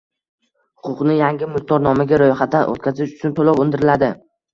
Huquqni yangi mulkdor nomiga roʼyxatdan oʼtkazish uchun toʼlov undiriladi